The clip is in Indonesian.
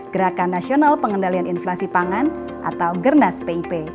gerakan nasional pengendalian inflasi pangan atau gernas pip